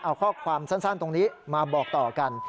เอาข้อความสั้นตรงนี้มาบอกต่อกัน